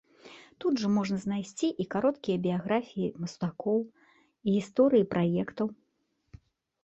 Тут жа можна знайсці і кароткія біяграфіі мастакоў, і гісторыі праектаў.